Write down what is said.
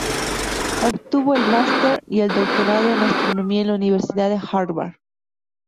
Obtuvo el Máster y el doctorado en astronomía en la Universidad de Harvard.